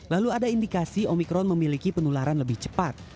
lalu ada indikasi omikron memiliki penularan lebih cepat